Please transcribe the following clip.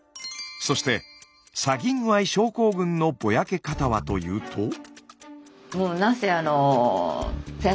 そしてサギングアイ症候群のぼやけ方はというと。